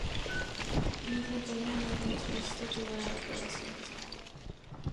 Luis Fortuño, nombró a los Jueces del Tribunal de Apelaciones Hon.